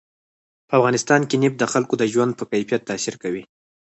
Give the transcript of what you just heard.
په افغانستان کې نفت د خلکو د ژوند په کیفیت تاثیر کوي.